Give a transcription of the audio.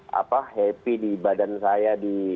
apa happy di badan saya di